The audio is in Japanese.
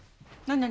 何？